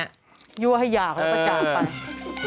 ยูว่าให้อยากแล้วไปจากไป